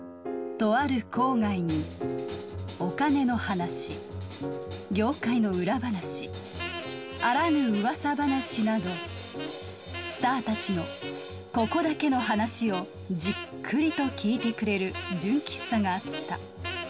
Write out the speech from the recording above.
とある郊外にお金の話業界の裏話あらぬ噂話などスターたちのここだけの話をじっくりと聞いてくれる純喫茶があった。